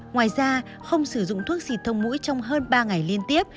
ngoài ra không sử dụng thuốc xịt thông mũi trong hơn ba ngày liên tiếp